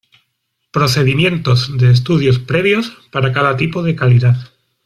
Procedimientos de estudios previos para cada tipo de calidad.